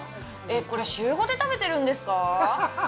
これ週５で食べてるんですか？